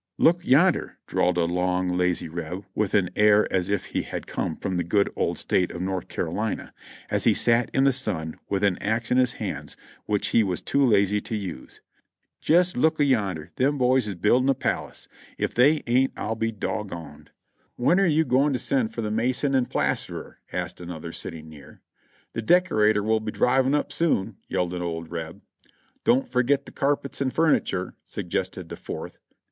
"Look yonder," drawled a long, lazy Reb, with an air as if he had come from the good old State of North Carolina, as he sat in the sun with an axe in his hands which he was too lazy to use; "jes' look a yonder, them boys is a buildin' a pallis ; ef they ain't I'll be doggoned." A LONG REST 327 "When are yon going to send for the mason and plasterer?" asked another sitting near. "The decorator will be driving up soon," yelled an old Reb. "Don't forget the carpets and furniture," suggested the fourth.